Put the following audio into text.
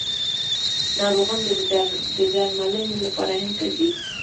ناروغان د درملنې لپاره هند ته ځي.